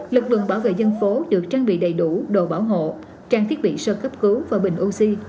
lực lượng bảo vệ dân phố được trang bị đầy đủ đồ bảo hộ trang thiết bị sơ cấp cứu và bình oxy